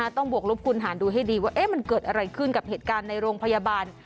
บวกลบคุณหารดูให้ดีว่ามันเกิดอะไรขึ้นกับเหตุการณ์ในโรงพยาบาล